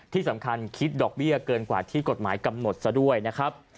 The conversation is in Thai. ที่สำคัญคิดดอกเบี้ยเกินกว่าที่กฎหมายกำหนดซะด้วยนะครับ